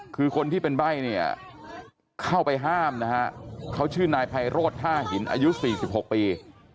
เขาชื่อนายภัยโรธท่าหินอายุ๔๖ปี